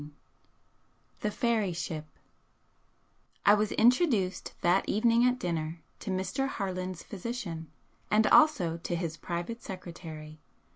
II THE FAIRY SHIP I was introduced that evening at dinner to Mr. Harland's physician, and also to his private secretary.